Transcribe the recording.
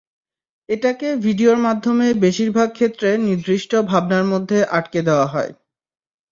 এটাকে ভিডিওর মাধ্যমে বেশির ভাগ ক্ষেত্রে নির্দিষ্ট ভাবনার মধ্যে আটকে দেওয়া হয়।